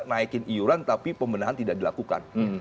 naikin iuran tapi pembenahan tidak dilakukan